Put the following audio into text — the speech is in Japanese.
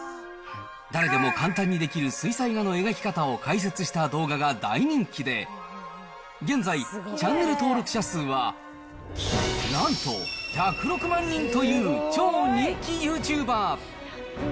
誰でも簡単にできる水彩画の描き方を解説した動画が大人気で、現在、チャンネル登録者数はなんと１０６万人という、超人気ユーチューバー。